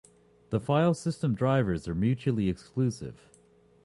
The filesystem drivers are mutually exclusive.